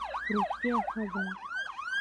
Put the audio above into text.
روغتیا ښه ده.